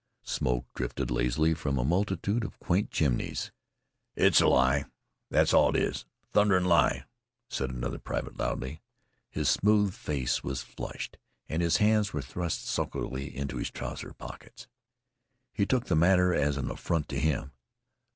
Smoke drifted lazily from a multitude of quaint chimneys. "It's a lie! that's all it is a thunderin' lie!" said another private loudly. His smooth face was flushed, and his hands were thrust sulkily into his trousers' pockets. He took the matter as an affront to him.